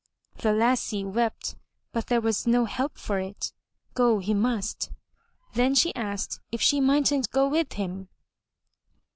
*' The lassie wept but there was no help for it. Go he must. Then she asked if she mightn't go with him.